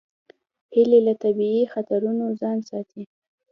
هیلۍ له طبیعي خطرونو ځان ساتي